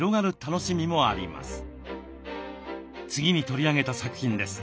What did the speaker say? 次に取り上げた作品です。